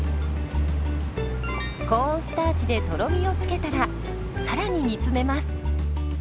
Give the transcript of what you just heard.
コーンスターチでとろみを付けたらさらに煮詰めます。